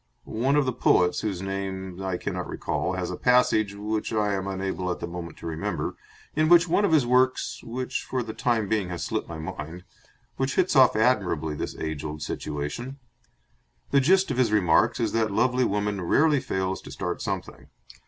One of the poets, whose name I cannot recall, has a passage, which I am unable at the moment to remember, in one of his works, which for the time being has slipped my mind, which hits off admirably this age old situation. The gist of his remarks is that lovely woman rarely fails to start something.